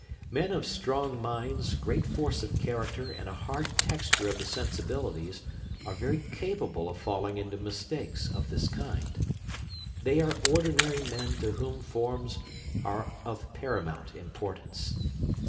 Men of strong minds, great force of character, and a hard texture of the sensibilities, are very capable of falling into mistakes of this kind. They are ordinarily men to whom forms are of paramount importance.